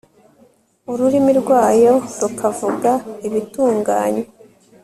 ururimi rwayo rukavuga ibitunganye